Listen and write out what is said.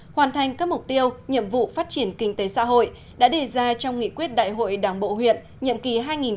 hoàn thành các mục tiêu nhiệm vụ phát triển kinh tế xã hội đã đề ra trong nghị quyết đại hội đảng bộ huyện nhiệm kỳ hai nghìn hai mươi hai nghìn hai mươi năm